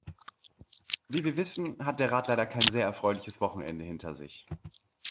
Wie wir wissen, hat der Rat leider kein sehr erfreuliches Wochenende hinter sich.